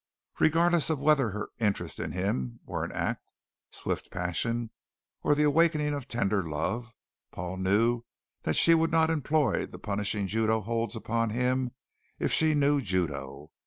Regardless of whether her interest in him were an act, swift passion, or the awakening of tender love, Paul knew that she would not employ the punishing Judo holds upon him, if she knew Judo.